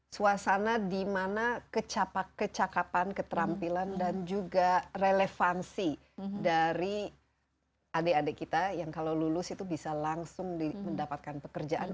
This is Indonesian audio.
suasana di mana kecakapan keterampilan dan juga relevansi dari adik adik kita yang kalau lulus itu bisa langsung mendapatkan pekerjaan